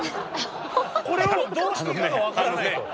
これをどうしていいかが分からないと。